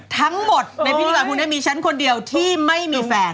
ทั้งหมดในพิธีกรคนนี้มีฉันคนเดียวที่ไม่มีแฟน